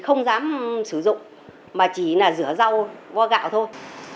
không dám sử dụng mà chỉ là rửa rau vo gạo thôi